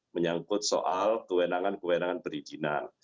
menyangkut soal kewenangan kewenangan perizinan